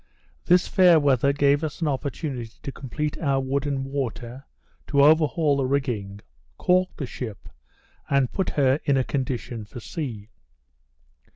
This fair weather gave us an opportunity to complete our wood and water, to overhaul the rigging, caulk the ship, and put her in a condition for sea.